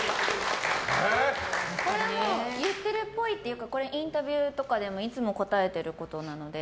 これはもう言ってるっぽいっていうかインタビューとかでもいつも答えてることなので。